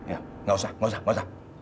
enggak usah enggak usah enggak usah